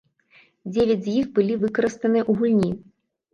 Дзевяць з іх былі выкарыстаныя ў гульні.